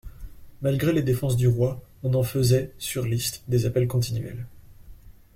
Malgré les défenses du roi, on en faisait, sur listes, des appels continuels.